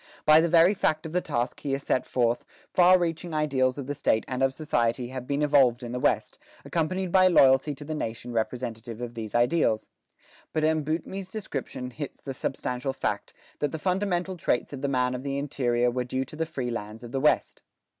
By the very fact of the task here set forth, far reaching ideals of the state and of society have been evolved in the West, accompanied by loyalty to the nation representative of these ideals. But M. Boutmy's description hits the substantial fact, that the fundamental traits of the man of the interior were due to the free lands of the West.